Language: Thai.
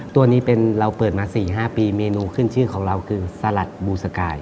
ตัวนี้เป็นเราเปิดมา๔๕ปีเมนูขึ้นชื่อของเราคือสลัดบูสกาย